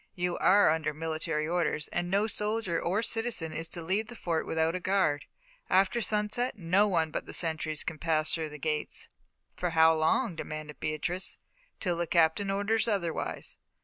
You are under military orders, and no soldier or citizen is to leave the Fort without a guard. After sunset no one but the sentries can pass the gates." "For how long?" demanded Beatrice. "Till the Captain orders otherwise."